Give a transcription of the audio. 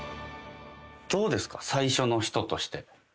どうですか、さいしょの人として。